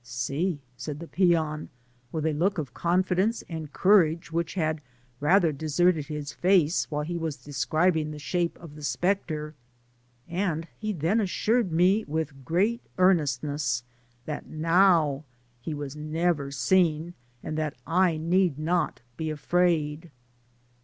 " Si," said the peon, with a look of confidence and courage which had rather deserted his face while he was describing the shape of the spectre; and he Digitized byGoogk 166 PASSAC^B ACB08S then assured me with great earnestness, ^^ that now he was never seen, and that I need not be afraid."